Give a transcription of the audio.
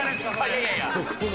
いやいや。